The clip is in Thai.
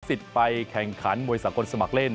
มีสิทธิ์ไปแข่งขันโมยสังคลสมัครเล่น